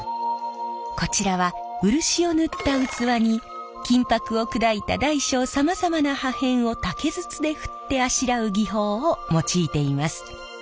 こちらは漆を塗った器に金箔を砕いた大小さまざまな破片を竹筒で振ってあしらう技法を用いています。